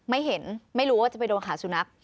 ไม่เห็นไม่รู้ว่าจะไปโดนขาสุนัข